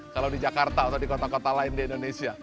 kalau di jakarta atau di kota kota lain di indonesia